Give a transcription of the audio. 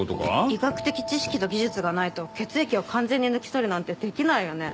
医学的知識と技術がないと血液を完全に抜き取るなんてできないよね？